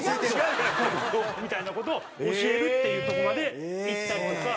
「こうこう」みたいな事を教えるっていうとこまでいったとか。